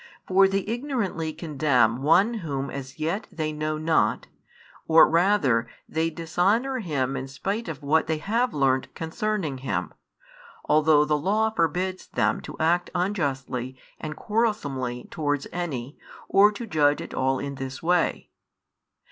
For they ignorantly condemn One Whom as yet they know not, or rather they dishonour Him in spite of what they have learnt concerning Him, although the Law forbids them to act unjustly and quarrelsomely towards any or to judge at all in this way.